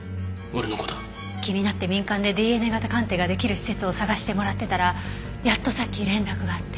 気になって民間でＤＮＡ型鑑定が出来る施設を探してもらってたらやっとさっき連絡があって。